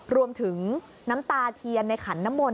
รวมถึงน้ำตาเทียนในขันน้ำมนต